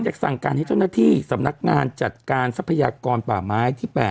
อยากสั่งการให้เจ้าหน้าที่สำนักงานจัดการทรัพยากรป่าไม้ที่๘